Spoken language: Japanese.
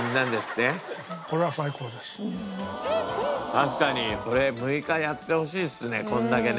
確かにこれ６日やってほしいですねこんだけね。